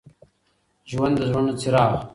ژوند د زړونو څراغ